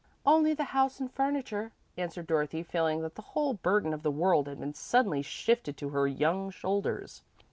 "Only the house and furniture," answered Dorothy, feeling that the whole burden of the world had been suddenly shifted to her young shoulders.